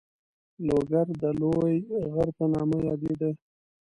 لوګر د لوی غر په نامه یادېده.